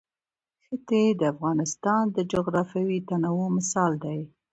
ښتې د افغانستان د جغرافیوي تنوع مثال دی.